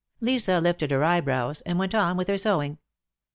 Lisa lifted her eyebrows, and went on with her sewing.